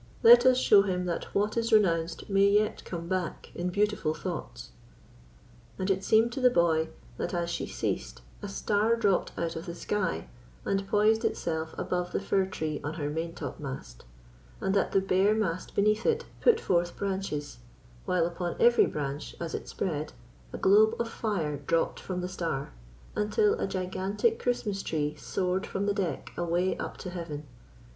Let us show him that what is renounced may yet come back in beautiful thoughts." And it seemed to the boy that, as she ceased, a star dropped out of the sky and poised itself above the fir tree on her maintopmast; and that the bare mast beneath it put forth branches, while upon every branch, as it spread, a globe of fire dropped from the star, until a gigantic Christmas tree soared from the deck away up to heaven.